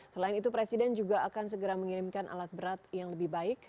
selain itu presiden juga akan segera mengirimkan alat berat yang lebih baik